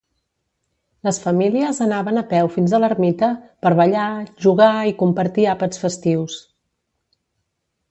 Les famílies anaven a peu fins a l'ermita per ballar, jugar i compartir àpats festius.